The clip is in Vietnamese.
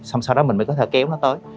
xong sau đó mình mới có thể kéo nó tới